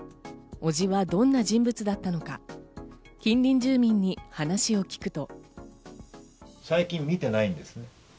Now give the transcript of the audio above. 伯父はどんな人物だったのか、近隣住民に話を聞くと。